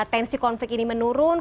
tensi konflik ini menurun